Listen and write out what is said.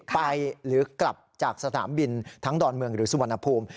หรือกลับจากสนามบินทั้งดอนเมืองหรือสุวรรณภูมิ